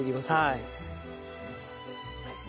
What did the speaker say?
はい。